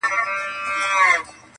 د انسان وجدان د هر څه شاهد پاتې کيږي تل